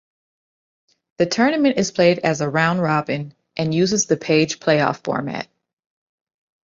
The tournament is played as a round robin and uses the page playoff format.